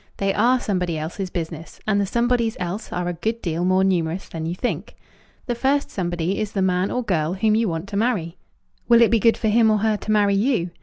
They are somebody else's business, and the somebodies else are a good deal more numerous than you think. The first somebody is the man or girl whom you want to marry. Will it be good for him or her to marry _you?